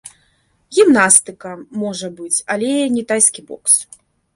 Гімнастыка, можа быць, але не тайскі бокс.